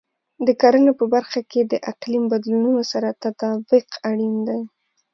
د کرنې په برخه کې د اقلیم بدلونونو سره تطابق اړین دی.